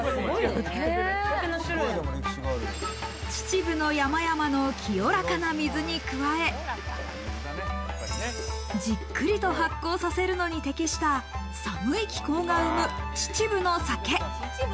秩父の山々の清らかな水に加え、じっくりと発酵させるのに適した寒い気候が生む秩父の酒。